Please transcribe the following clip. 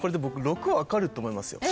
僕６分かると思います。